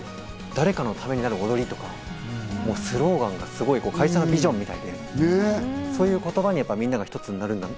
誰かのためになる踊りとか、会社のビジョンみたいでそういう言葉にみんなが一つになるんだな。